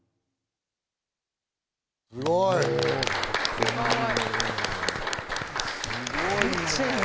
すごい！